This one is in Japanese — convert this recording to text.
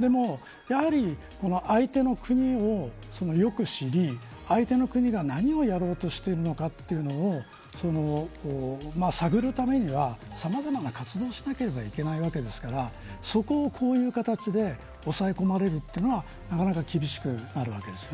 でも、やはり相手の国をよく知り相手の国が何をしようとしているのかを探るためにはさまざまな活動をしなければいけないわけですからそこをこういう形で押さえ込まれるのはなかなか厳しくなるわけです。